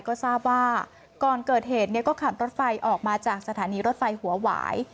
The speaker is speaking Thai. ก็ทราบว่าก่อนเกิดเหตุก็ขับรถไฟออกมาจากสถานีรถไฟหัวหวาย